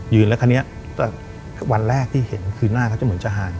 ยืนแล้วครั้งนี้วันแรกที่เห็นคือหน้าเขาเหมือนจะหาย